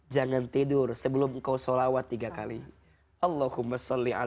jangan tidur sebelum engkau sholawat tiga kali